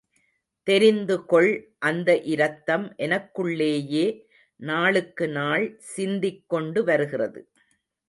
தெரிந்து கொள் அந்த இரத்தம் எனக்குள்ளேயே நாளுக்குநாள் சிந்திக்கொண்டு வருகிறது.